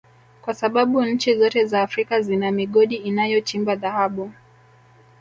kwa sababu nchi zote za Afrika zina migodi inayochimba Dhahabu